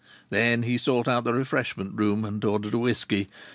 Then he sought out the refreshment room, and ordered a whisky.